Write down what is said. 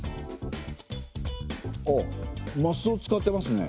あっマスを使ってますね。